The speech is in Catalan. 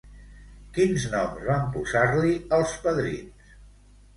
Quins noms van posar-li, els padrins?